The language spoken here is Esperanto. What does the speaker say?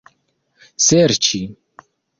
serĉi